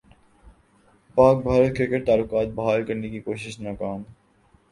پاک بھارت کرکٹ تعلقات بحال کرنے کی کوشش ناکام